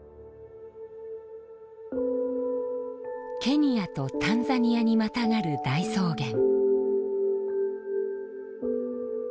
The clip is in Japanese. ケニアとタンザニアにまたがる大草原。